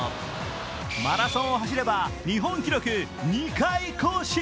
マラソンを走れば日本記録２回更新